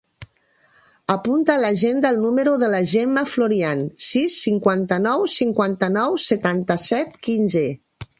Apunta a l'agenda el número de la Gemma Florian: sis, cinquanta-nou, cinquanta-nou, setanta-set, quinze.